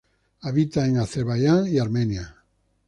Habita en Azerbaiyán y Armenia.